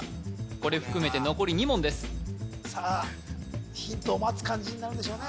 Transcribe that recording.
これ含めて残り２問ですさあヒントを待つ感じになるんでしょうね